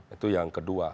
itu yang kedua